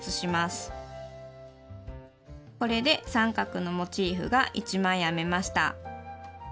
これで三角のモチーフが１枚編めました。